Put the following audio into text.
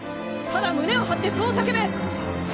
ただ胸を張ってそう叫べ！